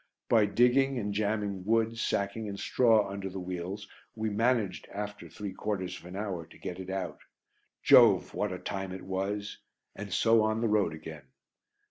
By digging, and jamming wood, sacking and straw under the wheels we managed, after three quarters of an hour, to get it out. Jove! what a time it was! And so on the road again.